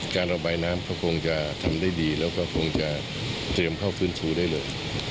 การระบายน้ำก็คงจะทำได้ดีแล้วก็คงจะเตรียมเข้าฟื้นฟูได้เลย